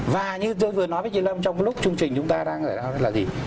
và như tôi vừa nói với chị lâm trong lúc chương trình chúng ta đang giải đoán đó là gì